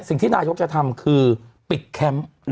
สิ่งที่นายกจะทำคือปิดแคมป์